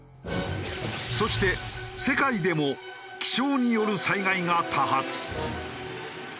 そして世界でも気象による災害が多発。